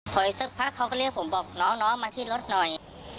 พออีกสักพักเขาก็เรียกผมบอกน้องมาที่รถหน่อย